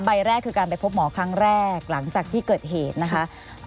ใบแรกคือการไปพบหมอครั้งแรกหลังจากที่เกิดเหตุนะคะ